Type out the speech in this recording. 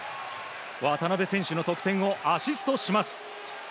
渡邊選手の得点をアシストします。